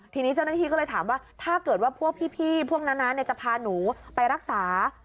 ทีนี้เจ้าหน้าที่ก็เลยถามว่าถ้าเกิดว่าพวกพี่พวกนั้นนะจะพาหนูไปรักษา